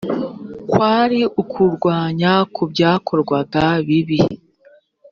kwari ukurwanya ku byakorwaga bibi